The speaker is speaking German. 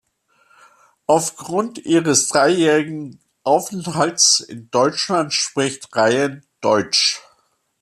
Aufgrund ihres dreijährigen Aufenthalts in Deutschland spricht Ryan Deutsch.